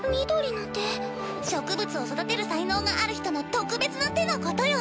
植物を育てる才能がある人の特別な手のことよ。